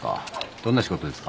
どんな仕事ですか？